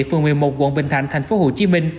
phường một mươi một quận bình thành tp hcm